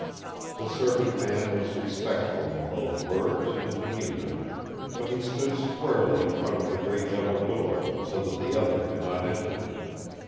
The servant man was respectful in both words and demeanour; but he stood squarely in front of the great double door, so that the other could not enter.